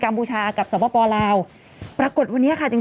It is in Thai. กัมพูชากับสวบปอลเกลาประกอบวันนี้ค่ะจริงจริง